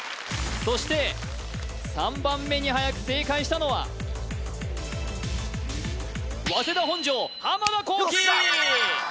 そして３番目にはやく正解したのは早稲田本庄田好機よっしゃ！